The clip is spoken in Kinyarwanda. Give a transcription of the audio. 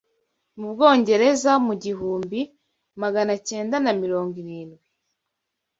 mu Bwongereza mu igihumbi Maganacyenda na mirongo irindwi